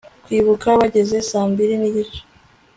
kwibuka bageza saa mbiri n'igice